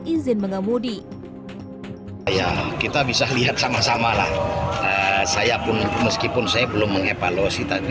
izin pengemudi ya kita bisa lihat sama sama lah saya pun meskipun saya belum mengepalo sih tapi